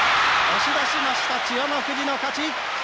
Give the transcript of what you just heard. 押し出しました千代の富士の勝ち。